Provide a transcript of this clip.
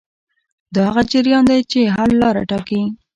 دا هغه جریان دی چې حل لاره ټاکي.